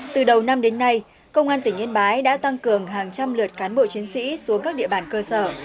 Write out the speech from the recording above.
từ đầu năm đến nay công an tỉnh yên bái đã tăng cường hàng trăm lượt cán bộ chiến sĩ xuống các địa bàn cơ sở